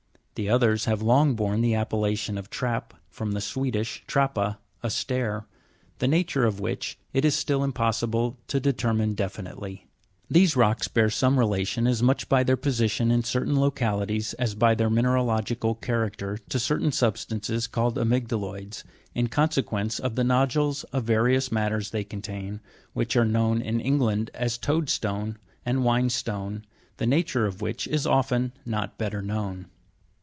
The others have long borne the appellation of trap (from the Swedish, trappa, a stair), the nature of w^hich it is still impossible to deter mine definitely. These rocks bear some relation, as much by their position in certain localities as by their mineralogical charac ter, to certain substances called amy^dalo'ids, in consequence of the nodules of various matters they contain, which are known in England as loadstone, and whinstone, the nature of which is often not better known.